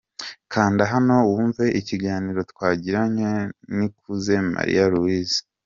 Kanda hano wumve ikiganiro Twagiranye na Nikuze Marie Louise.